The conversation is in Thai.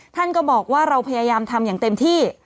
ท่านก็บอกว่าเราพยายามทำอย่างเต็มที่